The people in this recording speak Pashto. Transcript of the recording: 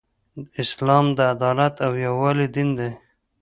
اسلام د عدالت او یووالی دین دی .